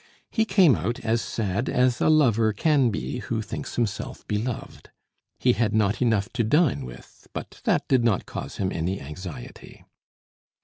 He came out as sad as a lover can be who thinks himself beloved. He had not enough to dine with, but that did not cause him any anxiety.